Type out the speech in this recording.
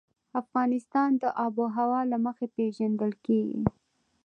افغانستان د آب وهوا له مخې پېژندل کېږي.